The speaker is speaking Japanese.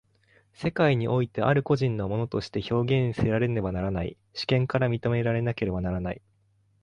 世界においてある個人の物として表現せられねばならない、主権から認められなければならない。